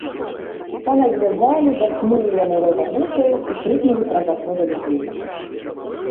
Пана звязалі, заткнулі яму рот анучаю і крыкнулі праз акно да людзей.